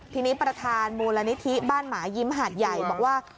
ทีนี้ประธานมูลนิธิบ้านหมายิ้มหาดใหญ่บอกว่า